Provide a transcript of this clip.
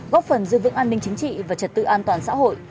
góp phần giữ vững an ninh chính trị và trật tự an toàn xã hội